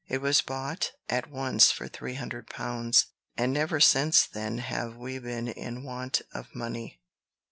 It was bought at once for three hundred pounds; and never since then have we been in want of money.